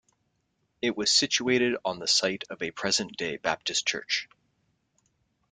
It was situated on the site of a present-day Baptist church.